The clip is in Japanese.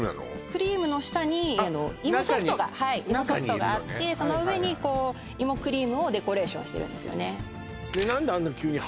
クリームの下に芋ソフトが中にいるのねはい芋ソフトがあってその上にこう芋クリームをデコレーションしてるんですよね